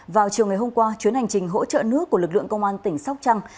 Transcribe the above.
vào chiều ngày hôm qua chuyến hành trình hỗ trợ nước của lực lượng công an tỉnh sóc trăng